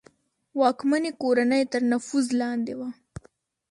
واکمنې کورنۍ تر نفوذ لاندې وه.